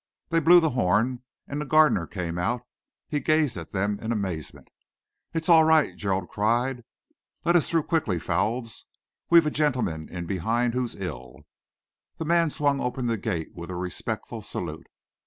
They blew the horn and a gardener came out. He gazed at them in amazement. "It's all right," Gerald cried. "Let us through quickly, Foulds. We've a gentleman in behind who's ill." The man swung open the gate with a respectful salute.